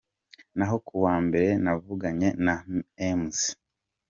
Naho kuwa mbere navuganye na Mzee.